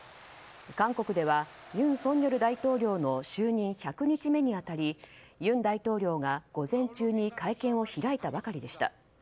韓国では尹錫悦大統領の就任１００日目に当たり尹大統領が午前中に会見を開いたばかりでした。